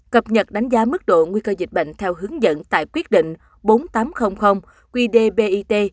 cập nhật đánh giá mức độ nguy cơ dịch bệnh theo hướng dẫn tại quyết định bốn nghìn tám trăm linh qdbit